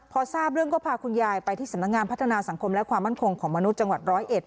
พอทราบเรื่องก็พาคุณยายไปที่สำนักงานพัฒนาสังคมและความมั่นคงของมนุษย์จังหวัดร้อยเอ็ด